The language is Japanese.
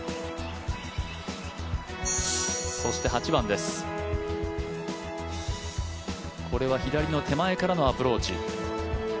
そして８番です、これは左の手前からのアプローチ。